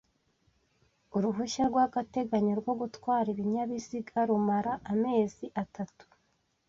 Uruhushya rw’agateganyo rwo gutwara ibinyabiziga rumara amezi atatu